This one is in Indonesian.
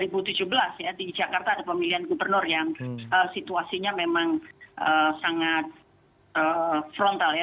pada dua ribu tujuh belas di jakarta ada pemilihan gubernur yang situasinya memang sangat frontal ya